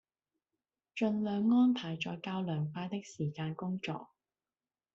盡量安排在較涼快的時間工作